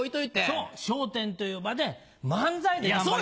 そう『笑点』という場で漫才で頑張りたいなと。